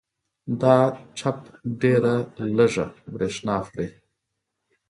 دا چپ ډېره لږه برېښنا خوري.